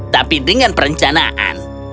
tapi dengan perencanaan